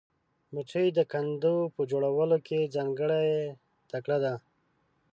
مچمچۍ د کندو په جوړولو کې ځانګړې تکړه ده